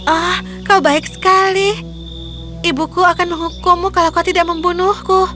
ah kau baik sekali ibuku akan menghukummu kalau kau tidak membunuhku